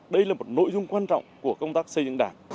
đây là một nội dung quan trọng của công tác xây dựng đảng